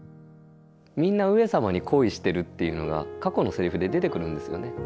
みんな上様に恋しているっていうのが過去のセリフで出てくるんですよね。